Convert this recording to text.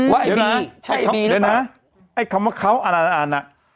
ว่าไอ้บีใช่ไอ้บีหรือเปล่าเดี๋ยวนะไอ้คำว่าเขาอันน่ะ